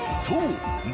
そう。